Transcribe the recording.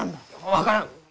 分からん。